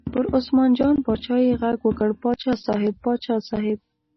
پر عثمان جان باچا یې غږ وکړ: باچا صاحب، باچا صاحب.